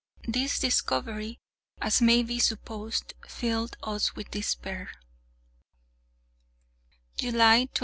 This discovery, as may be supposed, filled us with despair. July 27.